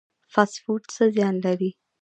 فاسټ فوډ څه زیان لري؟